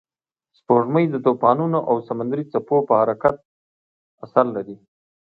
سپوږمۍ د طوفانونو او سمندري څپو پر حرکت اثر لري